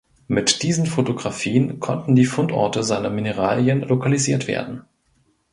Mit diesen Fotografien konnten die Fundorte seiner Mineralien lokalisiert werden.